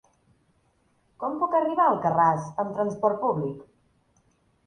Com puc arribar a Alcarràs amb trasport públic?